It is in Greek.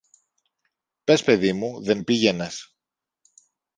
Πες, παιδί μου, δεν πήγαινες.